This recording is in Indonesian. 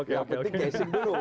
yang penting casing dulu